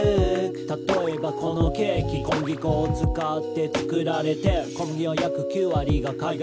「たとえばこのケーキ小麦粉を使って作られてる」「小麦は約９割が海外産」